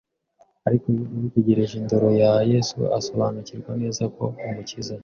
Ariko Yuda yitegereje indoro ya Yesu asobanukirwa neza ko Umukiza